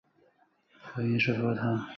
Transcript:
佛音是佛教重要术语。